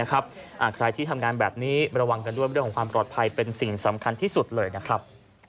ใครที่ทำงานแบบนี้ระวังกันด้วยเรื่องของความปลอดภัยเป็นสิ่งสำคัญที่สุดเลยนะครับ